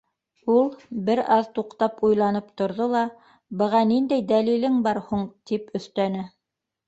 — Ул, бер аҙ туҡтап, уйланып торҙо ла: — Быға ниндәй дәлилең бар һуң? — тип өҫтәне.